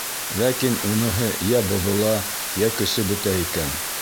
Ләкин уныһы йә боҙола, йә көсө бөтә икән.